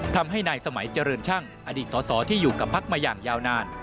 ทำให้นายสมัยเจริญช่างอดีตสอสอที่อยู่กับพักมาอย่างยาวนาน